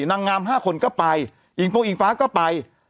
นางงาม๕คนก็ไปอิงปงอิงฟ้าก็ไป